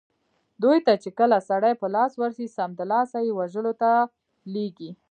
دوی ته چې کله سړي په لاس ورسي سمدلاسه یې وژلو ته لېږي.